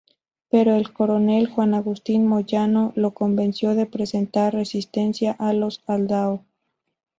Pero el coronel Juan Agustín Moyano lo convenció de presentar resistencia a los Aldao.